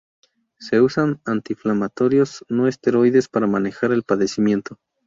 Se usan antiinflamatorios no esteroides para manejar el padecimiento.